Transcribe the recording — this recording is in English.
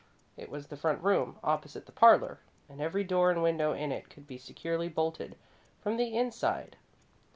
It was the front room, opposite the parlour, and every door and window in it could be securely bolted from the inside.